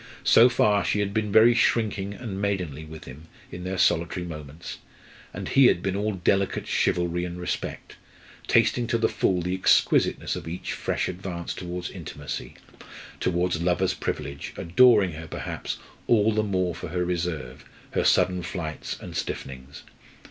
So far she had been very shrinking and maidenly with him in their solitary moments, and he had been all delicate chivalry and respect, tasting to the full the exquisiteness of each fresh advance towards intimacy, towards lover's privilege, adoring her, perhaps, all the more for her reserve, her sudden flights, and stiffenings.